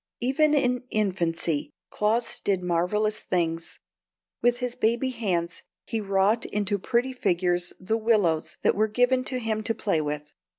Even in infancy Claus did marvellous things. With his baby hands he wrought into pretty figures the willows that were given him to play with.